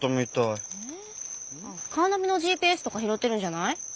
カーナビのＧＰＳとか拾ってるんじゃない？